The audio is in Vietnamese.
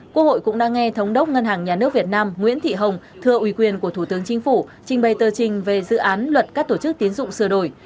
quốc hội cũng đã nghe thống đốc ngân hàng nhà nước việt nam nguyễn thị hồng thưa ủy quyền của thủ tướng chính phủ trình bày tờ trình về dự án luật các tổ chức tiến dụng sửa đổi